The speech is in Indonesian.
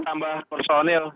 kita terus tambah personil